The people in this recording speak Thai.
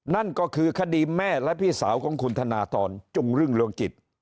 นั่นก็คือคดีแม่และพี่สาวของคุณธนทรจุงรุ่งเรืองจิต